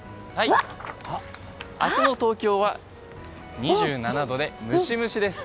明日の東京は２７度でムシムシです。